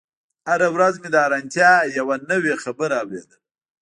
هره ورځ مې د حيرانتيا يوه نوې خبره اورېدله.